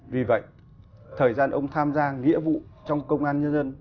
vì vậy thời gian ông tham gia nghĩa vụ trong công an nhân dân